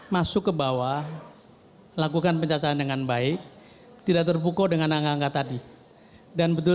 masuk ke bawah lakukan pencacahan dengan baik tidak terpukul dengan angka angka tadi dan betul